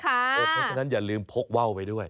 เพราะฉะนั้นอย่าลืมพกว่าวไปด้วย